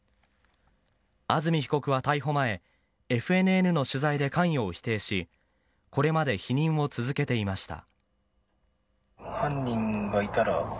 安住被告は逮捕前ＦＮＮの取材で関与を否定しこれまで否認を続けていました。